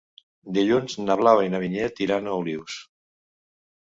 Dilluns na Blau i na Vinyet iran a Olius.